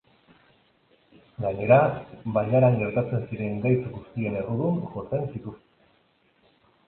Gainera, bailaran gertatzen ziren gaitz guztien errudun jotzen zituzten.